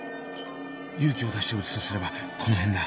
勇気を出して撃つとすればこの辺だ。